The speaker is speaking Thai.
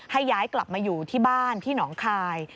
ให้ย้ายกลับมาอยู่ที่บ้านที่หนองคาย